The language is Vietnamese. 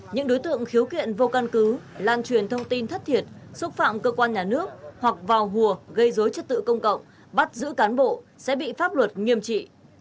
những đối tượng khiếu kiện vô căn cứ lan truyền thông tin thất thiệt xúc phạm cơ quan nhà nước hoặc vào hùa gây dối trật tự công cộng bắt giữ cán bộ sẽ bị pháp luật nghiêm trị